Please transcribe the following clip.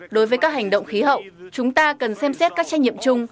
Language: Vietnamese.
đối với các hành động khí hậu chúng ta cần xem xét các trách nhiệm chung